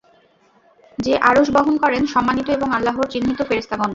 যে আরশ বহন করেন সম্মানিত এবং আল্লাহর চিহ্নিত ফেরেশতাগণ।